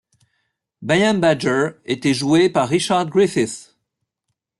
Bayham Badger était joué par Richard Griffiths.